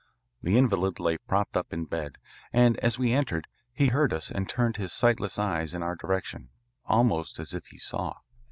The invalid lay propped up in bed, and as we entered he heard us and turned his sightless eyes in our direction almost as if he saw.